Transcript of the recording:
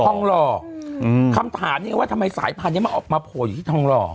ทองรออืมคำถามเนี้ยว่าทำไมสายพันธุ์เนี้ยมาออกมาโผล่อยู่ที่ทองรอ